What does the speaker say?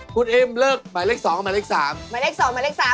คุณอิ่มเลิกหมายเลขสองกับหมายเลขสาม